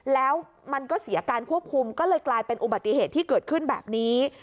แล้วมันก็เสียการควบคุมก็เลยกลายเป็นอุบัติเหตุที่เกิดขึ้นแบบนี้